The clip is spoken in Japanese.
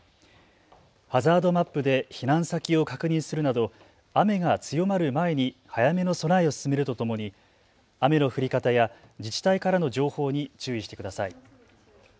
ハザードマップで避難先を確認するなど雨が強まる前に早めの備えを進めるとともに雨の降り方や自治体からの情報に注意してください。